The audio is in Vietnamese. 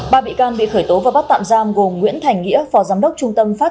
ba bị can bị khởi tố và bắt tạm giam gồm nguyễn thành nghĩa phó giám đốc trung tâm pháp